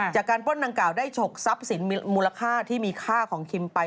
ปล้นดังกล่าได้ฉกทรัพย์สินมูลค่าที่มีค่าของคิมไป